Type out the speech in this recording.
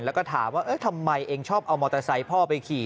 แล้วก็ถามว่าทำไมเองชอบเอามอเตอร์ไซค์พ่อไปขี่